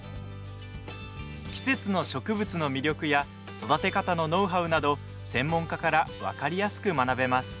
季節の植物の魅力や育て方のノウハウなど専門家から分かりやすく学べます。